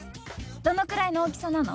どのくらいの大きさなの？